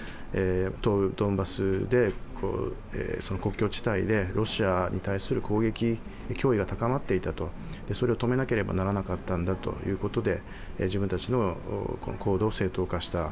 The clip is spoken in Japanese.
東部ドンバスの国境地帯で、ロシアに対する攻撃、脅威が高まっていたと、それを止めなければならなかったんだということで自分たちの行動を正当化した。